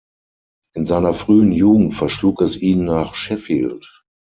In seiner frühen Jugend verschlug es ihn nach Sheffield.